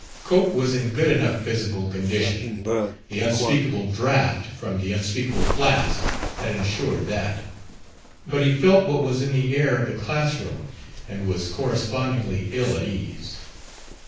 Cope was in good enough physical condition, the unspeakable draught from the unspeakable flask had ensured that, but he felt what was in the air of the classroom and was correspondingly ill at ease.